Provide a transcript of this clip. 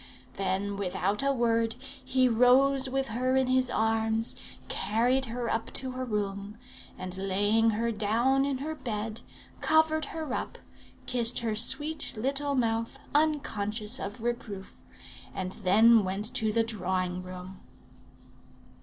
Then, without a word, he rose with her in his arms, carried her up to her room, and laying her down in her bed, covered her up, kissed her sweet little mouth unconscious of reproof, and then went to the drawing room.